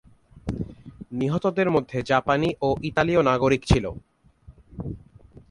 নিহতদের মধ্যে জাপানি ও ইতালীয় নাগরিক ছিল।